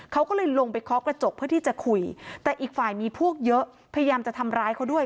เขาก็เลยลงไปเคาะกระจกเพื่อที่จะคุยแต่อีกฝ่ายมีพวกเยอะพยายามจะทำร้ายเขาด้วย